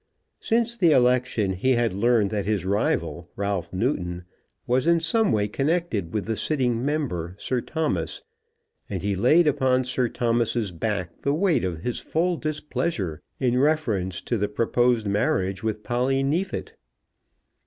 Since the election he had learned that his rival, Ralph Newton, was in some way connected with the sitting member, Sir Thomas, and he laid upon Sir Thomas's back the weight of his full displeasure in reference to the proposed marriage with Polly Neefit.